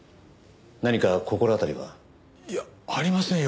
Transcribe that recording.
何か心当たりは？いやありませんよ